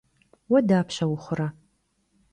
Vue dapşe vuxhure?